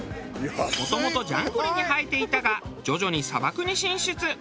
もともとジャングルに生えていたが徐々に砂漠に進出。